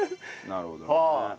なるほどね。